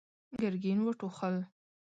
ګرګين وټوخل.